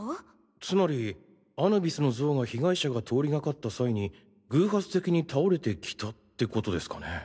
つまりアヌビスの像が被害者が通り掛かった際に偶発的に倒れてきたってことですかね。